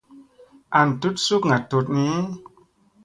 An tut sukŋa tut ni.